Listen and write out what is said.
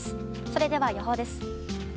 それでは、予報です。